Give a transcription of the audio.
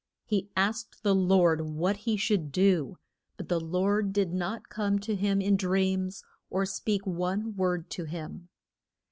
He asked the Lord what he should do, but the Lord did not come to him in dreams, or speak one word to him.